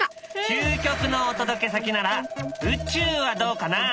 究極のお届け先なら宇宙はどうかな？